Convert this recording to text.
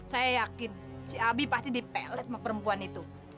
saya yakin si abi pasti dipelet sama perempuan itu